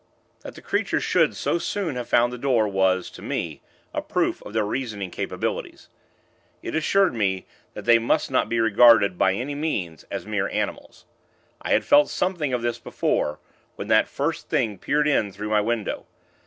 That the creatures should so soon have found the door was to me a proof of their reasoning capabilities. It assured me that they must not be regarded, by any means, as mere animals. I had felt something of this before, when that first Thing peered in through my window.